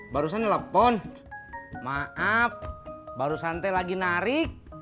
barusan telepon maaf baru santai lagi nari